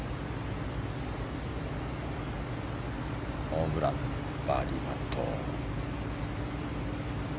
ホブラン、バーディーパット。